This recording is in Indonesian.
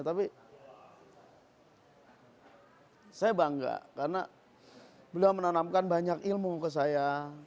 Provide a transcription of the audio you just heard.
tapi saya bangga karena beliau menanamkan banyak ilmu ke saya